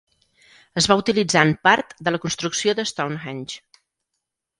Es va utilitzar en part de la construcció de Stonehenge.